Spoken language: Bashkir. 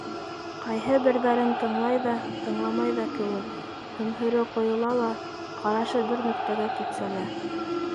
Ҡайһы берҙәрен тыңлай ҙа, тыңламай ҙа кеүек, һөмһөрө ҡойола ла ҡарашы бер нөктәгә кипсәлә.